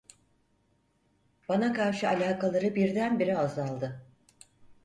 Bana karşı alakaları birdenbire azaldı…